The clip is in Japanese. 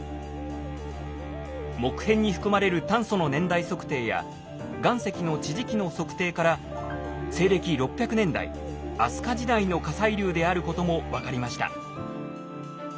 木片に含まれる炭素の年代測定や岩石の地磁気の測定から西暦６００年代飛鳥時代の火砕流であることも分かりました。